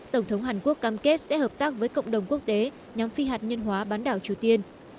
tổng thống hàn quốc cam kết sẽ hợp tác với cộng đồng quốc tế nhóm phi hạt nhân hóa bán đảo triều tiên